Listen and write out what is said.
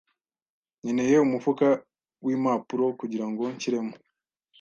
Nkeneye umufuka wimpapuro kugirango nshyiremo.